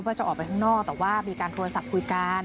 เพื่อจะออกไปข้างนอกแต่ว่ามีการโทรศัพท์คุยกัน